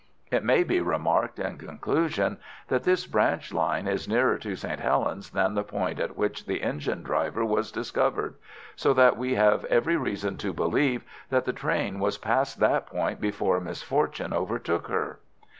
It may be remarked in conclusion that this branch line is nearer to St. Helens than the point at which the engine driver was discovered, so that we have every reason to believe that the train was past that point before misfortune overtook her.